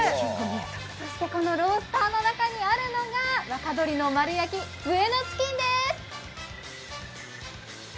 そしてこのロースターの中にあるのが若鶏の丸焼きブエノチキンです。